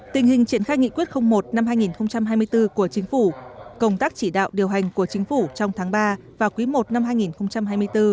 tình hình triển khai nghị quyết một năm hai nghìn hai mươi bốn của chính phủ công tác chỉ đạo điều hành của chính phủ trong tháng ba và quý i năm hai nghìn hai mươi bốn